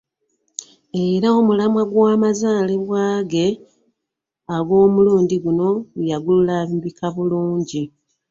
Era omulamwa gw'amazaalibwa ge ag'omulundi guno yagulambika bulungi.